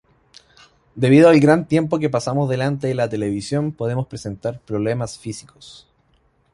Debido al gran tiempo que pasamos delante de la televisión podemos presentar problemas físicos.